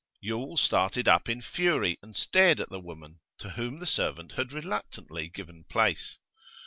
Yule started up in fury, and stared at the woman, to whom the servant had reluctantly given place.